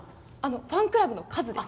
ファンクラブの数です。